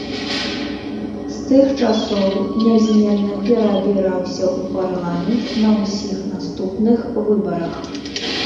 З тых часоў нязменна пераабіраўся ў парламент на ўсіх наступных выбарах.